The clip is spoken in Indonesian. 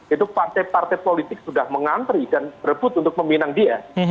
itu partai partai politik sudah mengantri dan berebut untuk meminang dia